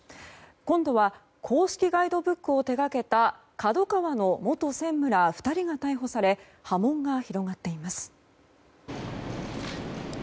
今度は公式ガイドブックを手掛けたＫＡＤＯＫＡＷＡの元専務ら２人が逮捕され波紋が広がっています。